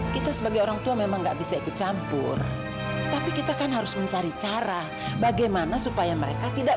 kita sebagai orang tua memang gak bisa ikut campur